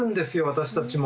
私たちも。